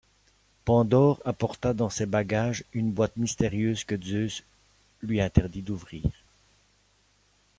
Pandore apporta dans ses bagages une boîte mystérieuse que Zeus lui interdit d'ouvrir.